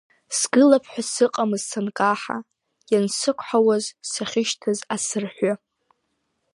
Сгылап ҳәа сыҟамызт санкаҳа, иансықәнауаз сахьышьҭаз асырҳәы.